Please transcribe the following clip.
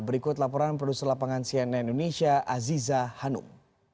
berikut laporan produser lapangan cnn indonesia aziza hanum